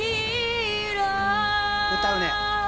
歌うね。